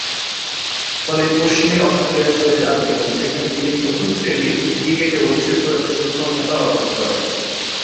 ফলে পশ্চিম অস্ট্রেলিয়ায় চলে যান এবং সেখানে তিনি প্রথম-শ্রেণীর ক্রিকেটে অভিষেক ঘটাতে সক্ষমতা অর্জন করেন।